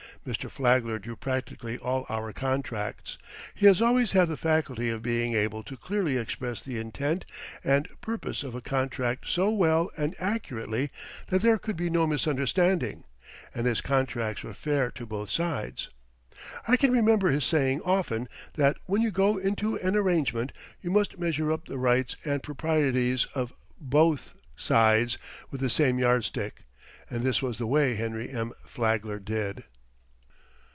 Mr. Flagler drew practically all our contracts. He has always had the faculty of being able to clearly express the intent and purpose of a contract so well and accurately that there could be no misunderstanding, and his contracts were fair to both sides. I can remember his saying often that when you go into an arrangement you must measure up the rights and proprieties of both sides with the same yardstick, and this was the way Henry M. Flagler did.